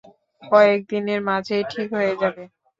কয়েকদিনের মাঝেই ঠিক হয়ে যাবে।